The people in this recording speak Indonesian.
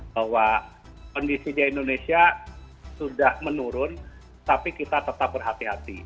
bahwa kondisi di indonesia sudah menurun tapi kita tetap berhati hati